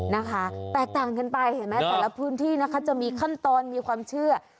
นะคะแตกต่างกันไปเห็นไหมแต่ละพื้นที่นะคะจะมีขั้นตอนมีความเชื่อ